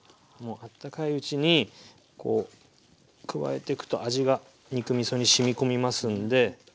あったかいうちにこう加えていくと味が肉みそにしみ込みますんで。